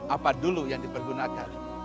apa dulu yang dipergunakan